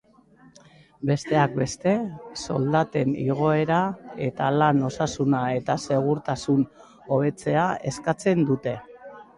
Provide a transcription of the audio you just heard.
Besteak beste, soldaten igoera eta lan osasuna eta segurtasuna hobetzea eskatzen dute.